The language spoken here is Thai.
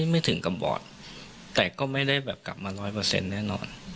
ไม่ถึงกับบอดแต่ก็ไม่ได้กลับมา๑๐๐แน่นอน